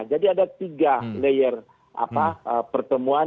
jadi ada tiga layer pertemuan